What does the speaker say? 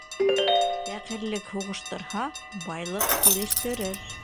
Фәҡирлек һуғыштырһа, байлыҡ килештерер.